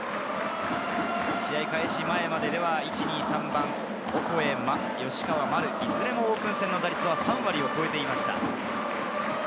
試合開始前まででは１・２・３番、オコエ、吉川、丸、いずれもオープン戦の打率は３割を超えていました。